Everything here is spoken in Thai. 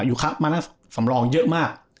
อยู่ครับมาในสำรองเยอะมาก